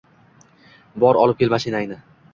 Bor, olib kel mashinangni.